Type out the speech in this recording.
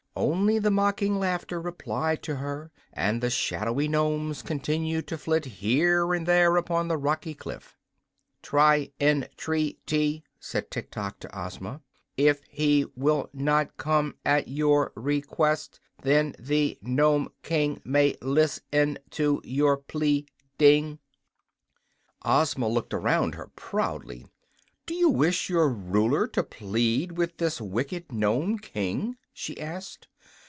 Only the mocking laughter replied to her, and the shadowy Nomes continued to flit here and there upon the rocky cliff. "Try en treat y," said Tiktok to Ozma. "If he will not come at your re quest, then the Nome King may list en to your plead ing." Ozma looked around her proudly. "Do you wish your ruler to plead with this wicked Nome King?" she asked.